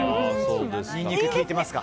ニンニク効いてますか？